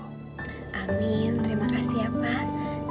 amin terima kasih ya pak